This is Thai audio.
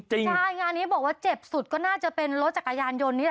ใช่งานนี้บอกว่าเจ็บสุดก็น่าจะเป็นรถจักรยานยนต์นี่แหละ